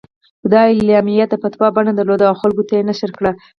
دا اعلامیه د فتوا بڼه درلوده او خلکو ته یې نشر کړه.